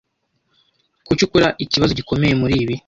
Kuki ukora ikibazo gikomeye muri ibi?